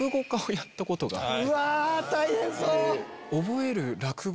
うわ大変そう！